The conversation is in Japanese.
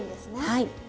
はい。